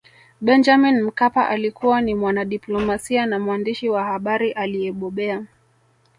Benjamin Mkapa alikuwa ni mwanadiplomasia na mwandishi wa habari aliyebobea